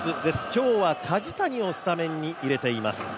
今日は梶谷をスタメンに入れています。